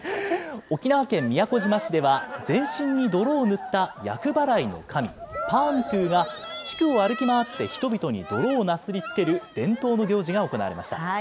沖縄県宮古島市では、全身に泥を塗った厄払いの神、パーントゥが、地区を歩き回って、人々に泥をなすりつける伝統の行事が行われました。